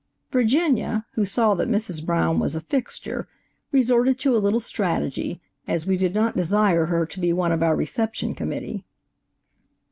Virginia, who saw that Mrs. Brown was a fixture, resorted to a little strategy, as we did not desire her to be one of our reception committee.